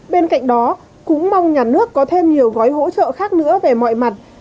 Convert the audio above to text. bên cạnh đó cũng mong nhà nước có thêm nhiều gói hỗ trợ khác nữa về mọi mặt